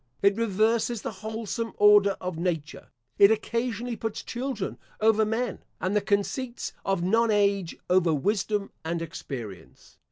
It reverses the wholesome order of nature. It occasionally puts children over men, and the conceits of nonage over wisdom and experience.